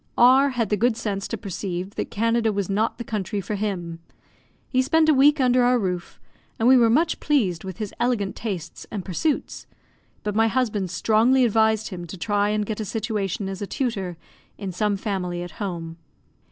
R had the good sense to perceive that Canada was not the country for him. He spent a week under our roof, and we were much pleased with his elegant tastes and pursuits; but my husband strongly advised him to try and get a situation as a tutor in some family at home.